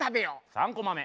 ３コマ目。